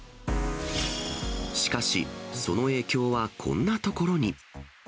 しかし、その影響はこんな所に。